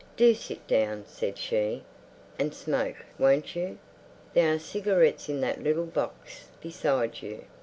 "Do sit down," said she. "And smoke, won't you? There are cigarettes in that little box beside you.